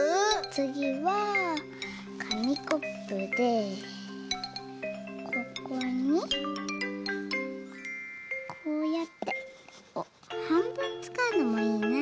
つぎはかみコップでここにこうやってはんぶんつかうのもいいな。